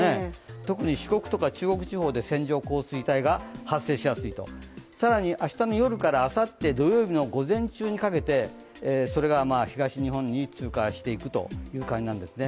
特に四国や中国地方で線状降水帯が出やすいとあさっての午前中にかけてそれが東日本に通過していくという感じなんですね。